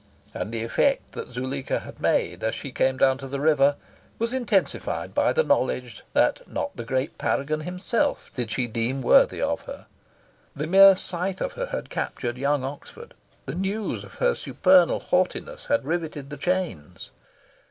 And the effect that Zuleika had made as she came down to the river was intensified by the knowledge that not the great paragon himself did she deem worthy of her. The mere sight of her had captured young Oxford. The news of her supernal haughtiness had riveted the chains.